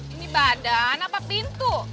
ini badan apa pintu